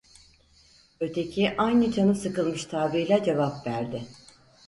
Öteki aynı canı sıkılmış tavrıyla cevap verdi: